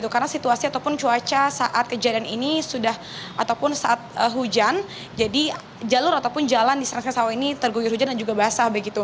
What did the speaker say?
karena situasi ataupun cuaca saat kejadian ini sudah ataupun saat hujan jadi jalur ataupun jalan di serengseng selawajah ini tergoyor hujan dan juga basah